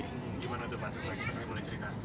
gimana itu pak sesuai cerita